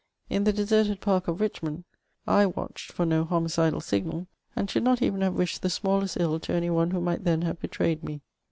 In the deserted park of Richmond, /watched for no homicidal signal, and should not even have wished the smallest ill to any one who might then have betrayed me.